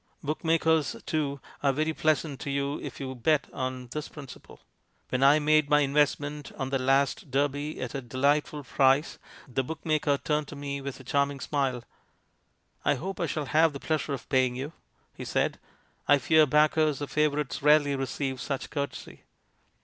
Bookmakers, too, are very pleasant to you if you bet on this principle. When I made my investment on the last Derby at a delight ful price the bookmaker turned to me with a charming smile. " I hope I shall have the pleasure of paying you !" he said. I fear backers of favourites rarely receive such courtesy.